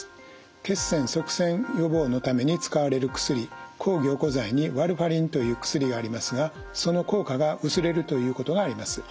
血栓塞栓予防のために使われる薬抗凝固剤にワルファリンという薬がありますがその効果が薄れるということがあります。